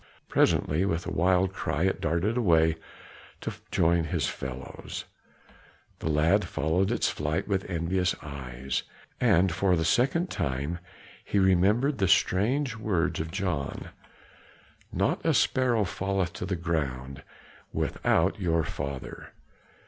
Presently with a wild cry it darted away to join its fellows. The lad followed its flight with envious eyes, and for the second time he remembered the strange words of John, "Not a sparrow falleth to the ground without your Father."